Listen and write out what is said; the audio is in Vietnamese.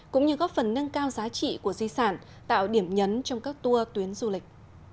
cũng như góp phần nâng cao giá trị của di sản tạo điểm nhấn trong các tour tuyến du lịch